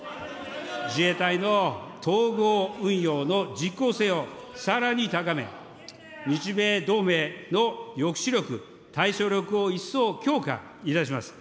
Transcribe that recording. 自衛隊の統合運用の実効性をさらに高め、日米同盟の抑止力・対処力を一層強化いたします。